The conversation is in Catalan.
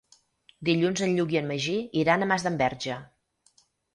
Dilluns en Lluc i en Magí iran a Masdenverge.